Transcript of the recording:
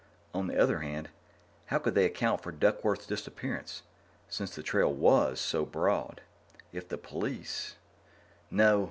On the other hand, how could they account for Duckworth's disappearance, since the trail was so broad? If the police No.